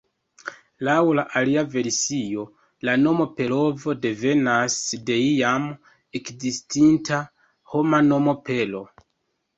Laŭ la alia versio, la nomo Perovo devenas de iam ekzistinta homa nomo Pero.